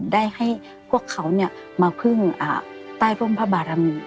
ได้ให้พวกเขามาพึ่งใต้ร่มพระบารมี